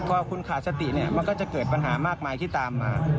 พอคุณขาดสติเนี่ยมันก็จะเกิดปัญหามากมายที่ตามมา